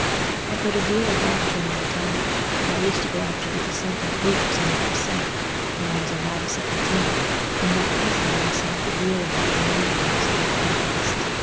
I've heard a deal o' doctrine i' my time, for I used to go after the Dissenting preachers along wi' Seth, when I was a lad o' seventeen, and got puzzling myself a deal about th' Arminians and the Calvinists.